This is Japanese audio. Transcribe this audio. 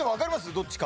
どっちか。